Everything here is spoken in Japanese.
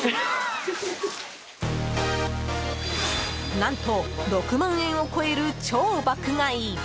何と６万円を超える超爆買い！